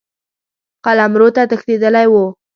قلمرو ته تښتېدلی وو.